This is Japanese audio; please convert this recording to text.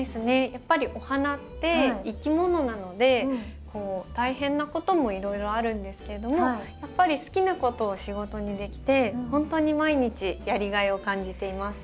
やっぱりお花って生き物なので大変なこともいろいろあるんですけれどもやっぱり好きなことを仕事にできてほんとに毎日やりがいを感じています。